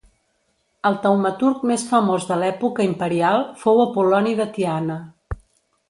El taumaturg més famós de l'època imperial fou Apol·loni de Tiana.